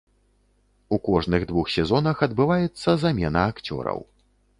У кожных двух сезонах адбываецца замена акцёраў.